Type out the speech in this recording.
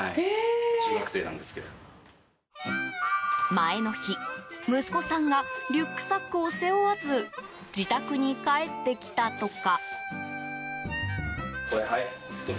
前の日、息子さんがリュックサックを背負わず自宅に帰ってきたとか。